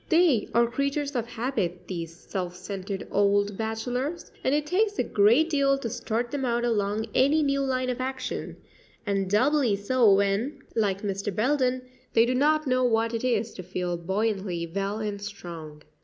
They are creatures of habit these self centred old bachelors, and it takes a great deal to start them out along any new line of action, and doubly so when, like Mr. Belden, they do not know what it is to feel buoyantly well and strong.